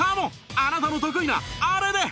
あなたの得意なあれで！